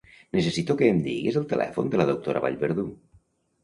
Necessito que em diguis el telèfon de la doctora Vallverdú.